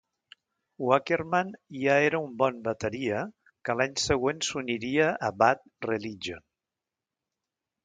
Wackerman ja era un bon bateria que l'any següent s'uniria a Bad Religion.